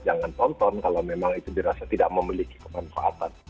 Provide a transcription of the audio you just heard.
jangan tonton kalau memang itu dirasa tidak memiliki kemanfaatan